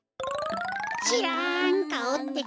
しらんかおってか。